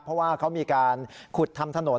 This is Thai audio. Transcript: เพราะว่าเขามีการขุดทำถนน